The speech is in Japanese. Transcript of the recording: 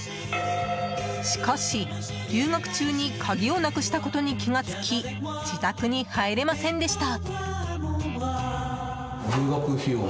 しかし、留学中に鍵をなくしたことに気が付き自宅に入れませんでした。